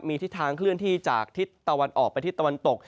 มีทิศทางเคลื่อนที่จากทิศตะวันออกไปทิศตะวันตก